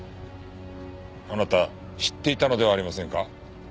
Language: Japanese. あなた知っていたのではありませんか？